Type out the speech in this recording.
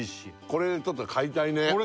これちょっとこれ買いたい